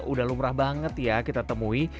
udah lumrah banget ya kita temui